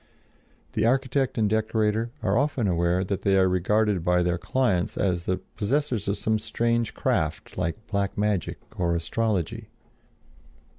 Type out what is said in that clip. The architect and decorator are often aware that they are regarded by their clients as the possessors of some strange craft like black magic or astrology.